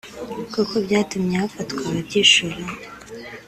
kuko byatumye hafatwa ababyishoramo